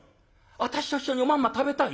私と一緒におまんま食べたい？」。